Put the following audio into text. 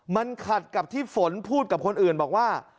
มันขัดกับที่ฝนพูดกับคนอื่นบอกว่า